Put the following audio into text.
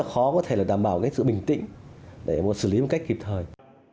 rất là khó có thể là đảm bảo cái sự bình tĩnh để một xử lý một cách kịp thời